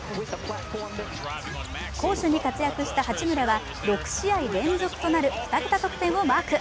攻守に活躍した八村は６試合連続となる２桁得点をマーク。